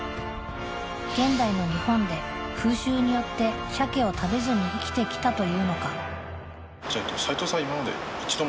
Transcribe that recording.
現代の日本で風習によって鮭を食べずに生きてきたというのか